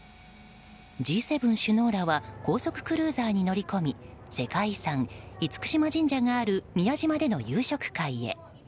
Ｇ７首脳らは高速クルーザーに乗り込み世界遺産・厳島神社がある宮島での夕食会へ。